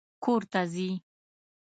کور ته ځي